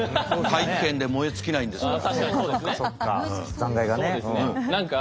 大気圏で燃え尽きないんですから。